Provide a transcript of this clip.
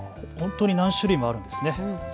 何種類もあるんですね。